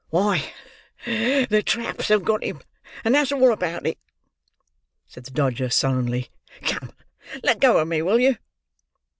"Why, the traps have got him, and that's all about it," said the Dodger, sullenly. "Come, let go o' me, will you!"